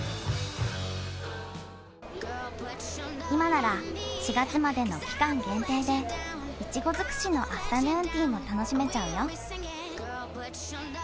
今なら４月までの期間限定でいちごづくしのアフタヌーンティーも楽しめちゃうよ。